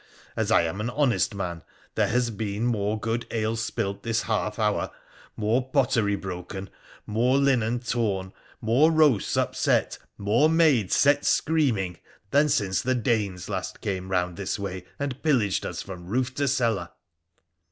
As I am an honest man, there has been more good ale spilt this half hour, H 53 WONDERFUL ADVENTURES OF more pottery broken, more linen torn, more roasts upset, more maids set screaming, than since the Danes last came round this way and pillaged us from roof to cellar